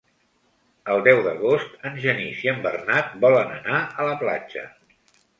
El deu d'agost en Genís i en Bernat volen anar a la platja.